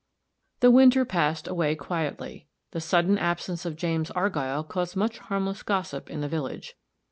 The winter passed away quietly. The sudden absence of James Argyll caused much harmless gossip in the village.